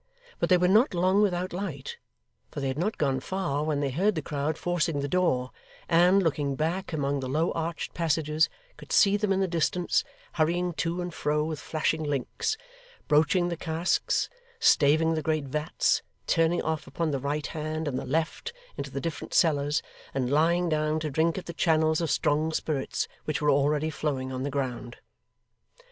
But they were not long without light, for they had not gone far when they heard the crowd forcing the door; and, looking back among the low arched passages, could see them in the distance, hurrying to and fro with flashing links, broaching the casks, staving the great vats, turning off upon the right hand and the left, into the different cellars, and lying down to drink at the channels of strong spirits which were already flowing on the ground.